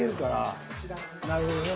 なるほどね。